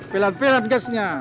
pelan pelan gasnya